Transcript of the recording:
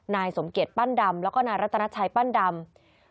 นายสมเกียจปั้นดำแล้วก็นายรัตนาชัยปั้นดำ